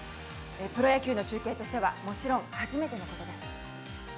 プロ野球の中継としては、もちろん初めてのことです。